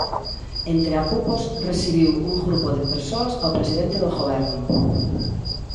Entre apupos recibiu un grupo de persoas ao presidente do goberno.